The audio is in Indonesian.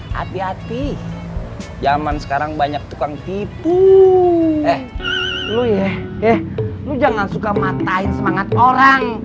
hati hati zaman sekarang banyak tukang tipu eh lo ya eh lo jangan suka matain semangat orang